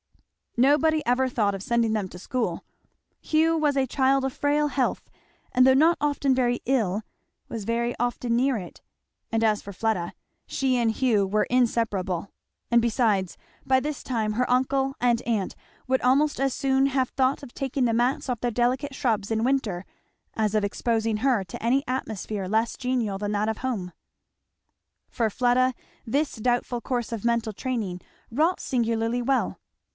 Nobody ever thought of sending them to school. Hugh was a child of frail health, and though not often very ill was often near it; and as for Fleda, she and Hugh were inseparable; and besides by this time her uncle and aunt would almost as soon have thought of taking the mats off their delicate shrubs in winter as of exposing her to any atmosphere less genial than that of home. For Fleda this doubtful course of mental training wrought singularly well.